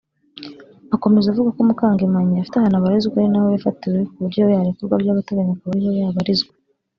Akomeza avuga ko Mukangemanyi afite ahantu abarizwa ari naho yafatiwe ku buryo yarekurwa by’agateganyo akaba ariho yabarizwa